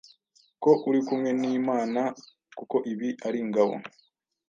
ko uri kumwe n’Imana kuko ibi ari ingabo